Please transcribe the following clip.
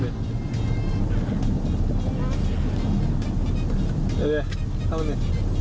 เดี๋ยวท่องนี่